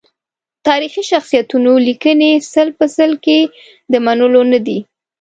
تاریخي شخصیتونو لیکنې سل په سل کې د منلو ندي.